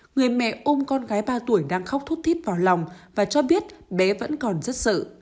người mẹ ôm con gái ba tuổi đang khóc thuốc tít vào lòng và cho biết bé vẫn còn rất sợ